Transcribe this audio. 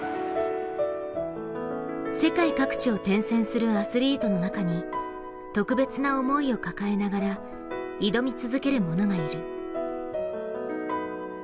世界各地を転戦するアスリートの中に、特別な思いを抱えながら挑み続ける者がいる。